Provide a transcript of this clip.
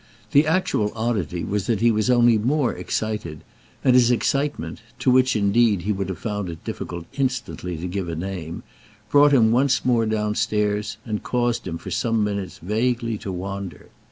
The actual oddity was that he was only more excited; and his excitement—to which indeed he would have found it difficult instantly to give a name—brought him once more downstairs and caused him for some minutes vaguely to wander.